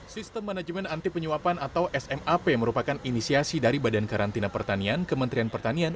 sistem manajemen anti penyuapan atau smap merupakan inisiasi dari badan karantina pertanian kementerian pertanian